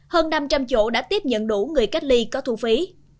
hơn năm trăm linh chỗ đã tiếp nhận đủ người cách ly có thu phí